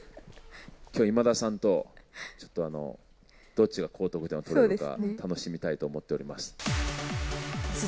きょう、今田さんとちょっと、どっちが高得点を取れるか、楽しみたいと思っております。